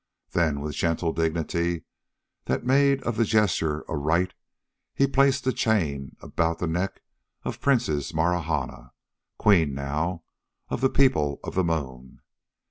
Then, with gentle dignity that made of the gesture a rite, he placed the chain about the neck of Princess Marahna Queen, now, of the People of the Moon.